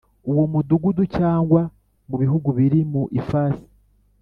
uwo Mudugudu cyangwa mu Bihugu biri mu ifasi